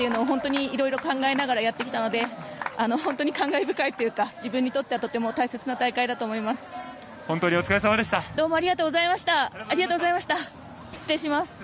本当にいろいろ考えながらやってきたので本当に感慨深いというか自分にとってはとても大切な大会だと思います。